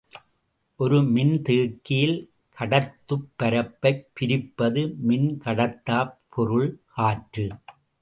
ஒரு மின்தேக்கியில் கடத்துப் பரப்பைப் பிரிப்பது மின்கடத்தாப் பொருள் காற்று.